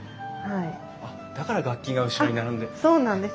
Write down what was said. あっだから楽器が後ろに並んで。